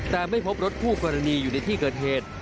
แต่ไม่พบรถคู่กรณีอยู่ในที่เกิดเหตุ